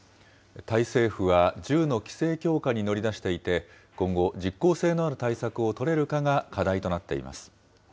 タイ政府は銃の規制強化に乗り出していて、今後、実行性のある対策を取れるかが課題となっています。